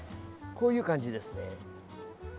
こういう感じですね。